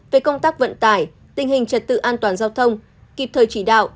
về công tác vận tải tình hình trật tự an toàn giao thông kịp thời chỉ đạo